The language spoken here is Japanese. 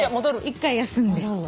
一回休んで。